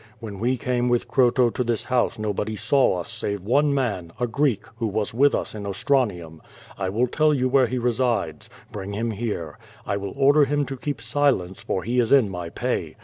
When we came with Croto to this house nobody saw us save one man, a Greek, who was with us in Ostranium. I will tell you where he re sides. Bring him here. I will order him to keep silence, for he is in my pay.